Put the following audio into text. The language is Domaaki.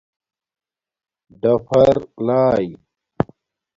ڈَفَر لائئ